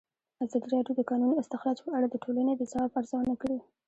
ازادي راډیو د د کانونو استخراج په اړه د ټولنې د ځواب ارزونه کړې.